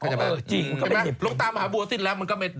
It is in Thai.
หลงตามหาบัวสิ้นแล้ว